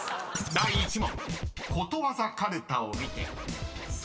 第１問］